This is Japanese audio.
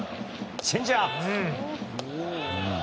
チェンジアップ。